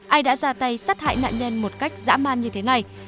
ai đã ra tay sát hại nạn nhân một cách dã man như thế này